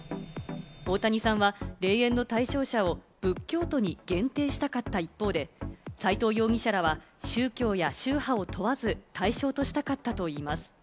大谷さんは霊園の対象者を仏教徒に限定したかった一方で、斎藤容疑者らは、宗教や宗派を問わず対象としたかったといいます。